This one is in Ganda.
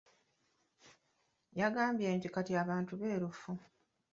Yagambye mbu kati abantu beerufu.